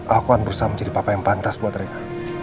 aku akan berusaha menjadi papa yang pantas buat mereka